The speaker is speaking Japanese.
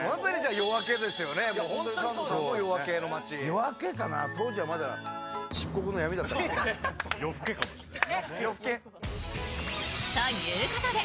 夜明けかな、当時はまだ漆黒の闇かもしれない。